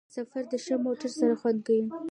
سفر د ښه موټر سره خوند کوي.